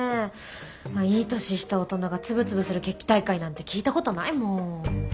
まあいい年した大人がつぶつぶする決起大会なんて聞いたことないもん。